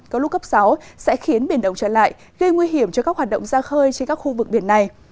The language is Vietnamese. có lúc cấp sáu sẽ khiến biển động trở lại gây nguy hiểm cho các hoạt động ra khơi trên các khu vực biển này